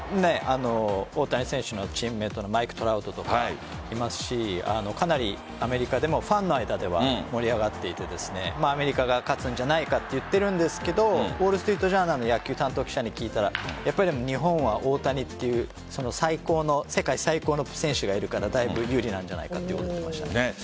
大谷選手のチームメートのマイク・トラウトとかいますしかなりアメリカでもファンの間では盛り上がっていてアメリカが勝つんじゃないかと言っているんですが雑誌の野球担当記者に聞いたらやっぱり日本は大谷という世界最高の選手がいるからだいぶ有利なんじゃないかということを言っていました。